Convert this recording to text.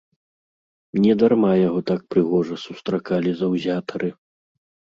Не дарма яго так прыгожа сустракалі заўзятары.